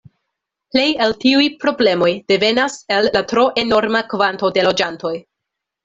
Plej el tiuj problemoj devenas el la tro enorma kvanto de loĝantoj.